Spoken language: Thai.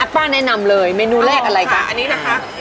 มากปะแนะนำเลยเมนูแรกอะไรคะอันนี้นะคะเอ่อ